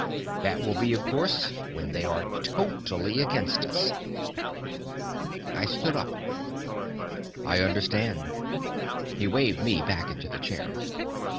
That will be, of course, when they are totally against us." I stood up. "I understand." He waved me back into the chair.